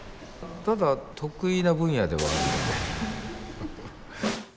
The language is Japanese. ただ得意な分野ではあるので。